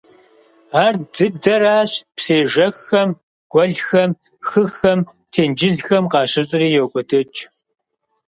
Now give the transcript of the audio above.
Ар дыдэращ псы ежэххэм, гуэлхэм, хыхэм, тенджызхэм къащыщӀри – йокӀуэдыкӀ.